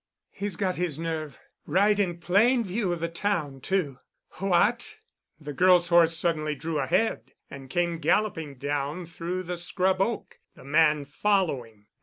"He's got his nerve—right in plain view of the town, too. What——?" The girl's horse suddenly drew ahead and came galloping down through the scrub oak, the man following.